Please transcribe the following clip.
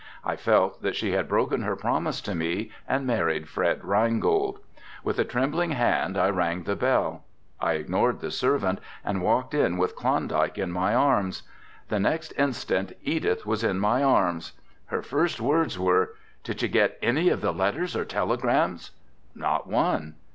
I felt that she had broken her promise to me and married Fred Reingold. With a trembling hand I rang the bell. I ignored the servant and walked in with Klondike in my arms. The next instant Edith was in my arms. Her first words were: "Did you get any of the letters or telegrams?" "Not one."